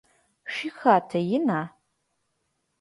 Шъуихатэ ина?